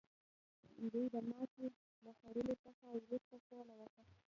دوی د ماتې له خوړلو څخه وروسته سوله وکړه.